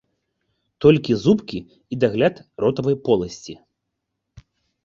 Толькі зубкі і дагляд ротавай поласці.